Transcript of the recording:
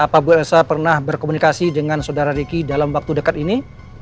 pak bu elsa pernah berkomunikasi dengan saudara riki dalam waktu dekat ini